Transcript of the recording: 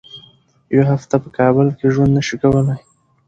یوه هفته په کابل کې ژوند نه شي کولای.